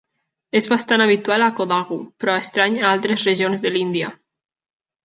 És bastant habitual a Kodagu, però estrany a altres regions de l'Índia.